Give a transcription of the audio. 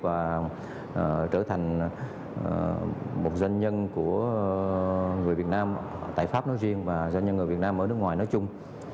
và trở thành một doanh nhân của người việt nam tại pháp nói riêng và doanh nhân người việt nam ở nước ngoài nói chung